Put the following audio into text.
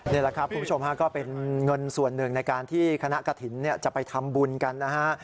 นี่แหละครับคุณผู้ชมฮะก็เป็นเงินส่วนหนึ่งในการที่คณะกระถิ่นจะไปทำบุญกันนะฮะ